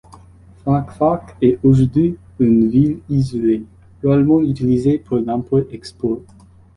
Fak-Fak est aujourd'hui une ville isolée, rarement utilisée pour l'import-export.